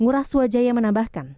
ngurah swajaya menambahkan